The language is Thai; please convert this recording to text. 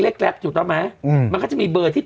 ที่เมื่อกันพี่พูดจริงพี่พูดจริง